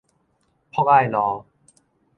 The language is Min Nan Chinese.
博愛路